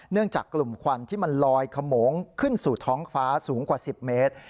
จากกลุ่มควันที่มันลอยขโมงขึ้นสู่ท้องฟ้าสูงกว่า๑๐เมตร